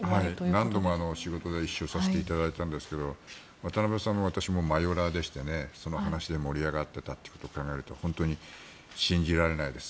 何度も仕事で一緒させていただいたんですが渡辺さんも私もマヨラーでしてその話で盛り上がっていたということを考えると本当に信じられないです。